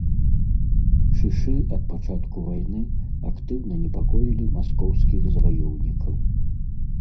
Шышы ад пачатку вайны актыўна непакоілі маскоўскіх заваёўнікаў.